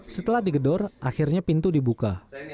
setelah digedor akhirnya pintu dibuka